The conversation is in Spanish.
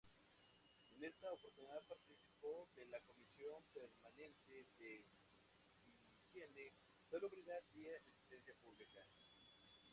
En esta oportunidad participó de la comisión permanente de Higiene, Salubridad y Asistencia Pública.